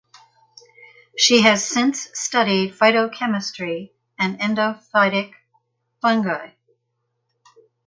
She has since studied phytochemistry and endophytic fungi.